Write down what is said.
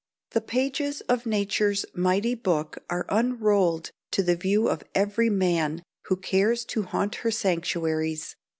The pages of nature's mighty book are unrolled to the view of every man who cares to haunt her sanctuaries.